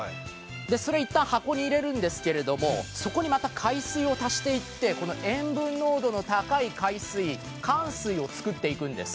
それを一旦箱に入れるんですけども、そこにまた海水を足していって塩分濃度の高い海水、かん水を作っていくんです。